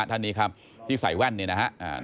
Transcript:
ท่านนี้ครับที่ใส่แว่นเนี่ยนะครับ